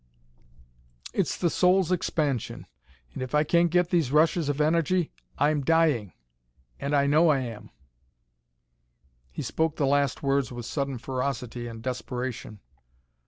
"It's the soul's expansion. And if I can't get these rushes of energy, I'M DYING, AND I KNOW I AM." He spoke the last words with sudden ferocity and desperation.